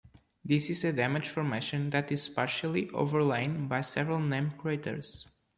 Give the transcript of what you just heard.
This is a damaged formation that is partly overlain by several named craters.